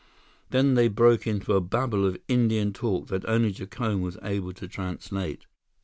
Then they broke into a babble of Indian talk that only Jacome was able to translate.